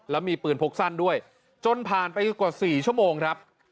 แล้วมีปืนพกสั้นด้วยจนผ่านไปกว่า๔ชั่วโมงครับ